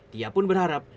dia pun berharap